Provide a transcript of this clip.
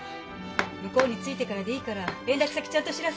向こうに着いてからでいいから連絡先ちゃんと知らせんのよ。